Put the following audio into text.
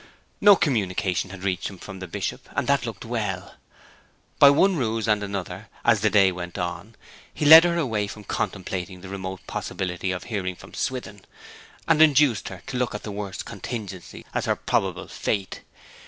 No communication had reached him from the Bishop, and that looked well. By one ruse and another, as the day went on, he led her away from contemplating the remote possibility of hearing from Swithin, and induced her to look at the worst contingency as her probable fate.